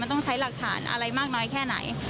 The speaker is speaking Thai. ต้องใช้หลักฐานอะไรมากน้อยแค่ไหน